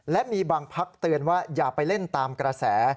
และมีบางพักเตือนว่าอย่าไปเล่นตามกระแส